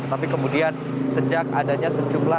tetapi kemudian sejauh ini kita melihat ada penyelenggaraan yang terjadi